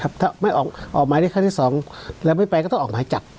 ถ้าไม่ออกหมายเรียกครั้งที่๒แล้วไม่ไปก็ต้องออกหมายจับ